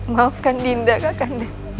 maafkan dinda kakanda